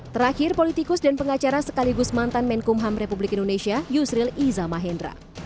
terakhir politikus dan pengacara sekaligus mantan menkumham republik indonesia yusril iza mahendra